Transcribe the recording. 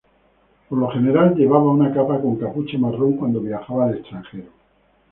Por lo general llevaba una capa con capucha marrón cuando viajaba al extranjero.